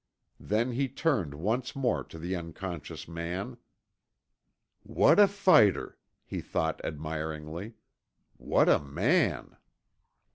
Then he turned once more to the unconscious man. "What a fighter," he thought admiringly. "What a man!"